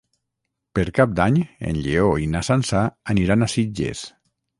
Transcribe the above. Per Cap d'Any en Lleó i na Sança aniran a Sitges.